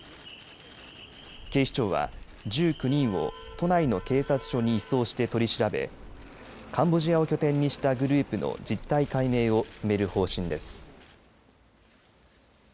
警視庁は１９人を都内の警察署に移送して取り調べカンボジアを拠点にしたグループの実態解明を進める方針です。